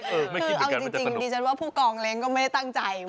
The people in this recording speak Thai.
คือเอาจริงดิฉันว่าผู้กองเล้งก็ไม่ได้ตั้งใจ